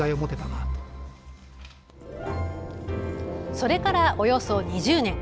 それからおよそ２０年。